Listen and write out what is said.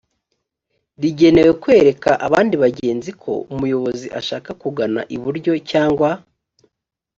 rigenewe kwereka abandi bagenzi ko umuyobozi ashaka kugana iburyo cyangwa